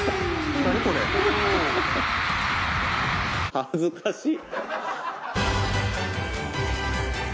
恥ずかしっ！